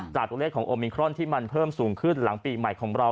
ตัวเลขของโอมิครอนที่มันเพิ่มสูงขึ้นหลังปีใหม่ของเรา